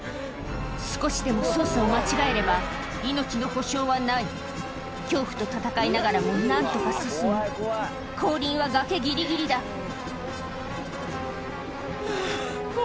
少しでも操作を間違えれば命の保証はない恐怖と闘いながらも何とか進む後輪は崖ギリギリだはぁ。